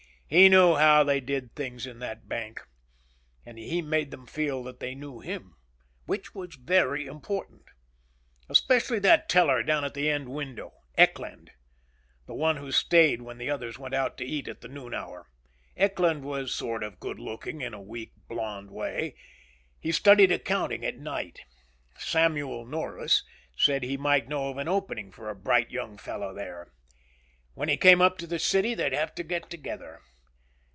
He knew how they did things in that bank. And he made them feel they knew him. Which was very important. Especially that teller down at the end window, Eckland. The one who stayed when the others went out to eat at the noon hour. Eckland was sort of good looking in a weak blond way. He studied accounting at night. "Samuel Norris" said he might know of an opening for a bright young fellow there. When he came up to the city, they'd have to get together.